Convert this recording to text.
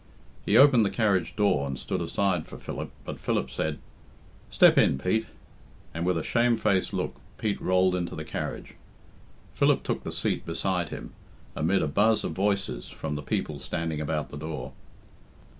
He opened the carriage door and stood aside for Philip, but Philip said "Step in, Pete;" and, with a shamefaced look, Pete rolled into the carriage. Philip took the seat beside him, amid a buzz of voices from the people standing about the door.